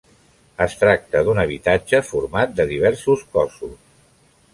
Es tracta d'un habitatge format de diversos cossos.